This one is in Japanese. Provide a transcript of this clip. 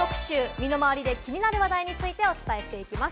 身の回りで気になる話題についてお伝えしていきます。